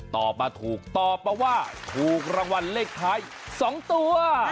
ตอบมาถูกตอบมาว่าถูกรางวัลเลขท้าย๒ตัว